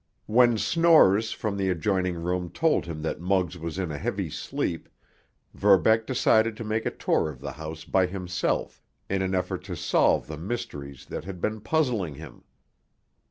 When snores from the adjoining room told him that Muggs was in a heavy sleep, Verbeck decided to make a tour of the house by himself in an effort to solve the mysteries that had been puzzling him.